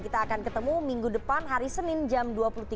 kita akan ketemu minggu depan hari senin jam dua puluh tiga